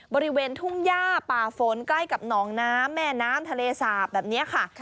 บริเวณทุ่งย่าป่าฝนใกล้กับหนองน้ำแม่น้ำทะเลสาบแบบนี้ค่ะ